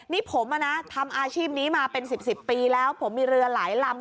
นี่ผมทำอาชีพนี้มาเป็น๑๐ปีแล้วผมมีเรือหลายลำ